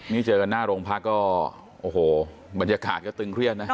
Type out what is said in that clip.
นี่เจอกันหน้าโรงพักก็โอ้โหบรรยากาศก็ตึงเครียดนะ